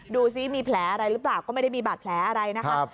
ดูสิมีแผลอะไรหรือเปล่าก็ไม่ได้มีบาดแผลอะไรนะครับ